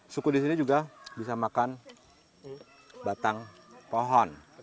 suku di sini juga bisa makan batang pohon